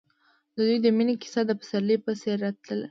د دوی د مینې کیسه د پسرلی په څېر تلله.